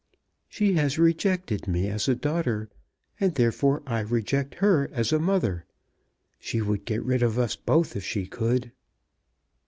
"She has rejected me as a daughter, and therefore I reject her as a mother. She would get rid of us both if she could."